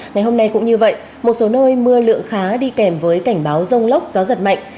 ngày hôm nay cũng như vậy một số nơi mưa lượng khá đi kèm với cảnh báo rông lốc gió giật mạnh